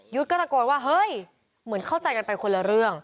ก็ตะโกนว่าเฮ้ยเหมือนเข้าใจกันไปคนละเรื่อง